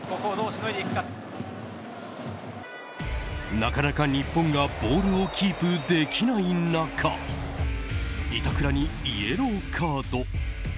なかなか日本がボールをキープできない中板倉にイエローカード。